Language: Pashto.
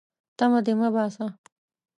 _اه! تمه دې مه باسه.